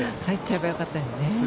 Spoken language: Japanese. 入っちゃえばよかったのにね。